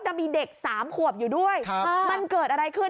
นำมีเด็กสามขวบอยู่ด้วยครับมันเกิดอะไรขึ้น